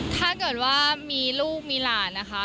ถ้าเกิดว่ามีลูกมีหลานนะคะ